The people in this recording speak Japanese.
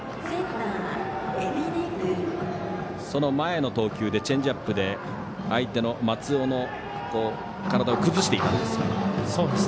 その前の投球でチェンジアップで相手の松尾の体を崩していたんですが。